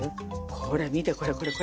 これ見てこれこれこれ。